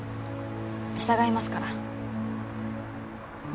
従いますから。